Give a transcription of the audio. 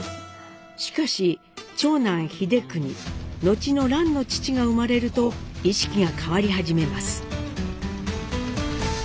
しかし長男英邦後の蘭の父が生まれると意識が変わり始めます。